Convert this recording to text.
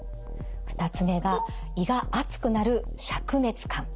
２つ目が胃が熱くなるしゃく熱感。